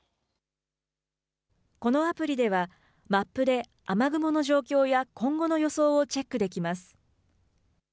このアプリではマップで雨雲の状況や今後の予想をチェックできます。